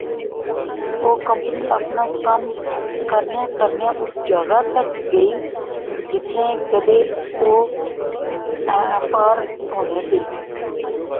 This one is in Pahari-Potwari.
او کمپنی اپنا کم کرنیاں کرنیاں اس جاغا تک گئی جتھیں کیدے و پار ہونے سے